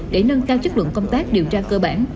để nâng cao chất lượng công tác điều tra cơ bản